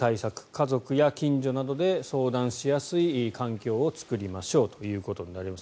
家族や近所などで相談しやすい環境を作りましょうということになります。